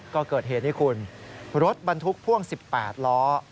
ก็เกิดเหตุนี้คุณรถบรรทุกพ่วง๑๘ล้อ